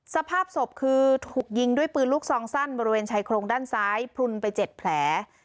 สภาพศพคือถูกยิงด้วยปืนลูกซองสั้นบริเวณชายโครงด้านซ้ายพลุนไป๗แผล